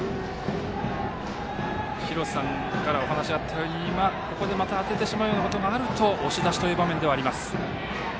廣瀬さんからお話があったようにここでまた当ててしまうようなことがあると押し出しという場面ではあります。